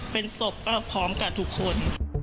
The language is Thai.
เป็นศพพร้อมกับทุกคน